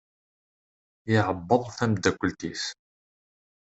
Iεebbeḍ tamdakelt-is.